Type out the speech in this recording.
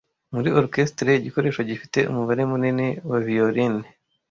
Muri orchestre igikoresho gifite umubare munini wa Violine